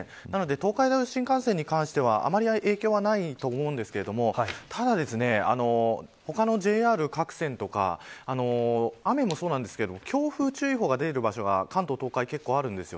東海道新幹線に関してはあまり影響はないと思うんですがただ、他のＪＲ各線とか雨もそうなんですけど強風注意報が出ている場所が関東、東海結構あるんです。